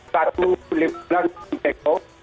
belum bulan di ceko